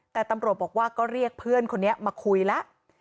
แต่ตำรวจบอกว่าก็เรียกเพื่อนคนนี้มาคุยแล้ว